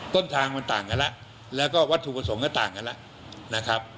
ต้นทางมันต่างกันแล้วแล้วก็วัตถุประสงค์ก็ต่างกันแล้วนะครับ